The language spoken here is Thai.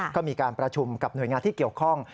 ก็มีการประชุมกับหน่วยงานที่เกี่ยวข้อง